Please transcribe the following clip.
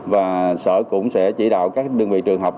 và sở cũng sẽ chỉ đạo các đơn vị trường học